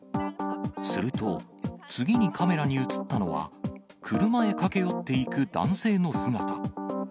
すると、次にカメラに映ったのは車へ駆け寄っていく男性の姿。